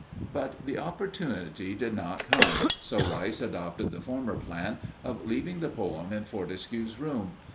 But the opportunity did not come, so Rice adopted the former plan of leaving the poem in Fortescue's room.